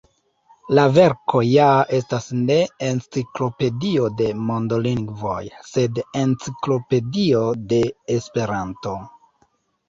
La verko ja estas ne enciklopedio de mondolingvoj, sed Enciklopedio de Esperanto.